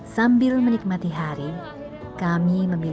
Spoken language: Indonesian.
sambil menikmati hari kami membeli beli